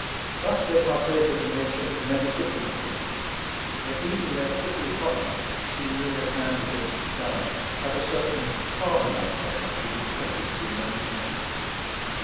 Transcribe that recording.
Thus they partake of the nature of many different trees; and even their prickly top knots, seen near at hand against the sky, have a certain palm like air that impresses the imagination.